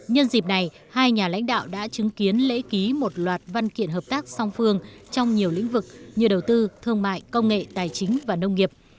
nhân dịp này hai nhà lãnh đạo đã chứng kiến lễ ký một loạt văn kiện hợp tác song phương trong nhiều lĩnh vực như đầu tư thương mại công nghệ tài chính và nông nghiệp